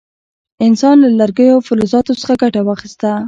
انسان له لرګیو او فلزاتو څخه ګټه واخیسته.